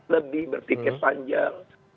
lebih bertiket panjang